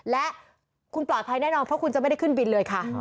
และคุณปลอดภัยแน่นอนเพราะคุณจะไม่ได้ขึ้นบินเลยค่ะ